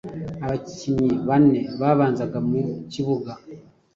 Abakinnyi bane babanzaga mu kibuga